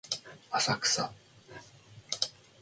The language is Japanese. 浅草